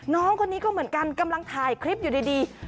น้องคนนี้ก็เหมือนกันกำลังถ่ายคลิปอยู่ดี